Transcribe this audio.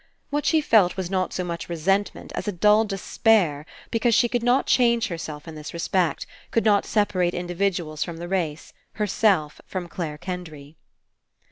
What she felt was not so much resentment as a dull despair because she could not change herself In this re 184 FINALE spect, could not separate individuals from the race, herself from Clare Kendry.